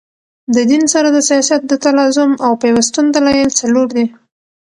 د دین سره د سیاست د تلازم او پیوستون دلایل څلور دي.